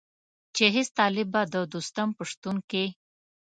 چې هېڅ طالب به د دوستم په شتون کې.